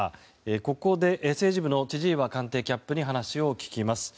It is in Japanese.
ここで政治部の千々岩官邸キャップに話を聞きます。